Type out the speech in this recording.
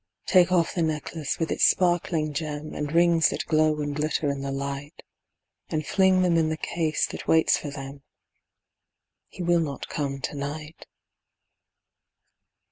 Take off the necklace with its sparkling gem, And rings that glow and glitter in the light, And fling them in the case that waits for them He will not come to night.